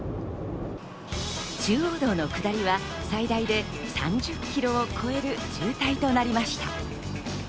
中央道の下りは最大で３０キロを超える渋滞となりました。